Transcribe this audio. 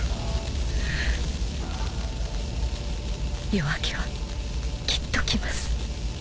夜明けはきっと来ます。